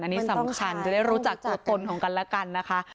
อันนี้สำคัญจะได้รู้จักตัวตนของกันแล้วกันนะคะ